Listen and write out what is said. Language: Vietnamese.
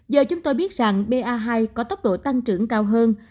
giờ chúng tôi biết rằng ba hai có tốc độ tăng trưởng cao hơn